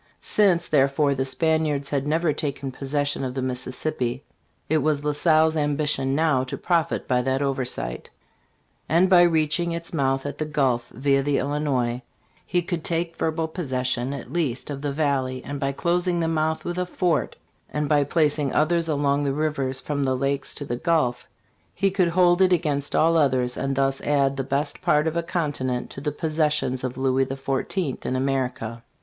Since, therefore, the Spaniards had never taken possession of the Mississippi, it was La Salle's ambition now to profit by that oversight, and by reaching its mouth at the Gulf via the Illinois, he could take verbal possession, at least, of the valley, and by closing the mouth with a fort and by placing others along the rivers from the Lakes to the Gulf, he could hold it against all others, and thus add the best part of a continent to the possessions of Louis XIV. in America.